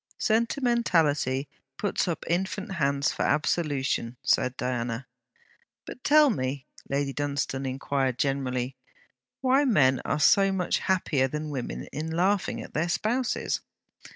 'Sentimentality puts up infant hands for absolution,' said Diana. 'But tell me,' Lady Dunstane inquired generally, 'why men are so much happier than women in laughing at their spouses?'